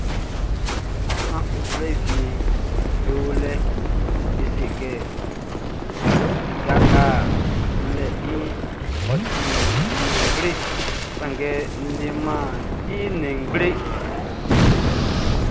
Sran uflɛ wieʼm be o lɛʼn, be se kɛ sika nga n le iʼn, ɔ ti nnɛn ngble, sanngɛ n lemɛn i nnɛn ngble.